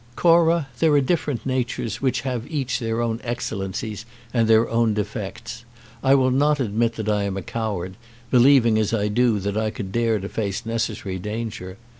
"Cora, there are different natures which have each their own excellencies and their own defects. I will not admit that I am a coward, believing as I do that I could dare to face necessary danger.